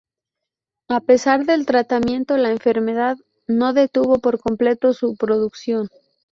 A pesar del tratamiento, la enfermedad no detuvo por completo su producción.